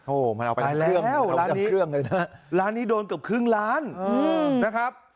โอ้มันเอาไปแล้วร้านนี้โดนกับครึ่งล้านนะครับ